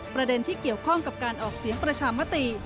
ประเด็นที่เกี่ยวข้องกับการออกเสียงประชามติ